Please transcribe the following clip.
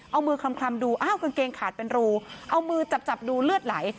เอามือคลำดูอ้าวกางเกงขาดเป็นรูเอามือจับจับดูเลือดไหล